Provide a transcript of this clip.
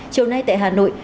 châu nay tại hà nội